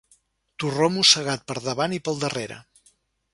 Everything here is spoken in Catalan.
Torró mossegat per davant i pel darrere.